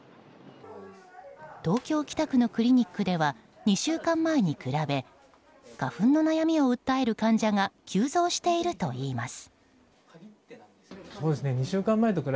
東京・北区のクリニックでは２週間前に比べ花粉の悩みを訴える患者が急増しているといいます。